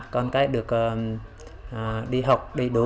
con cái được đi học đầy đủ